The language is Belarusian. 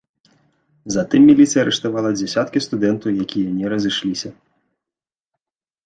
Затым міліцыя арыштавала дзясяткі студэнтаў, якія не разышліся.